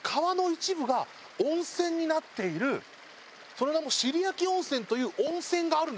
その名も尻焼温泉という温泉があるんですよ。